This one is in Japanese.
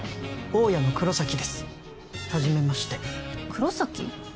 大家の黒崎です初めまして黒崎？